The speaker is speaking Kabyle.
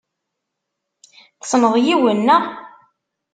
Tessneḍ yiwen, naɣ?